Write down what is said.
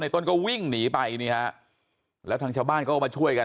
ต้นก็วิ่งหนีไปนี่ฮะแล้วทางชาวบ้านก็มาช่วยกัน